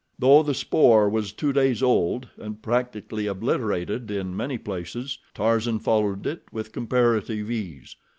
Though the spoor was two days old, and practically obliterated in many places, Tarzan followed it with comparative ease.